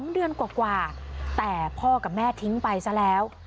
๒เดือนกว่าแต่พ่อกับแม่ทิ้งไปซะแล้ว